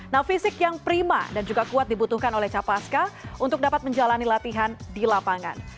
nah fisik yang prima dan juga kuat dibutuhkan oleh capaska untuk dapat menjalani latihan di lapangan